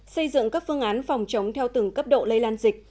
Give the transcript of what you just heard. xây dựng các phương án phòng chống theo từng cấp độ lây lan dịch